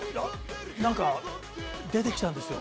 何か出て来たんですよ。